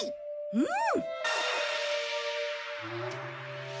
うん！